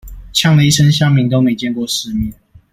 嗆了一聲鄉民都沒見過世面